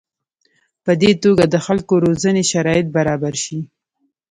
په دې توګه د خلکو روزنې شرایط برابر شي.